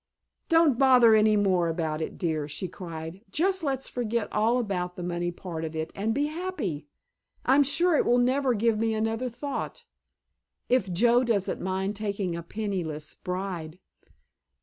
"Don't bother any more about it, dear," she cried. "Just let's forget all about the money part of it, and be happy. I'm sure it will never give me another thought—if Joe doesn't mind taking a penniless bride."